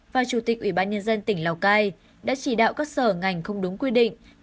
và chủ tịch ủy ban nhân dân tỉnh lào cai đã chỉ đạo các sở ngành không đúng quy định